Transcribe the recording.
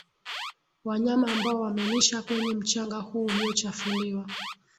wanyama ambao wamelisha kwenye mchanga huu uliochafuliwa